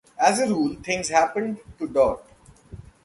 As a rule things happened to Dot.